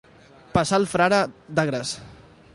Passar el frare d'Agres.